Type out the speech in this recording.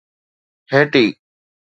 Haiti